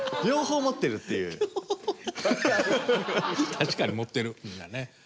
確かに持ってるみんなねはい。